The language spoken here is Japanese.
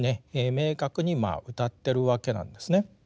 明確にうたってるわけなんですね。